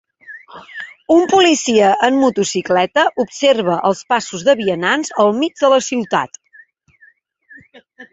Un policia en motocicleta observa els pasos de vianants al mig de la ciutat.